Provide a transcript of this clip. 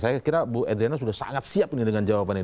saya kira bu edriana sudah sangat siap dengan jawabannya